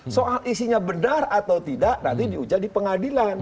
soal isinya benar atau tidak nanti diuji di pengadilan